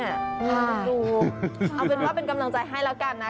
เอาเป็นว่าเป็นกำลังใจให้แล้วกันนะ